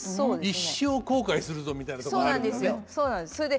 「一生後悔するぞ」みたいなとこがあるんですね。